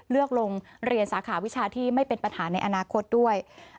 เลือกโรงเรียนสาขาวิชาที่ไม่เป็นปัญหาในอนาคตด้วย